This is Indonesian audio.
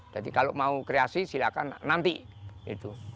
jadi kalau mau kreasi silakan nanti itu